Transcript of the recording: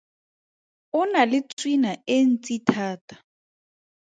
O na le tswina e ntsi thata.